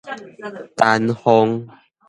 丹鳳